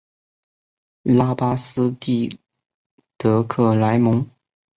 拉巴斯蒂德克莱蒙。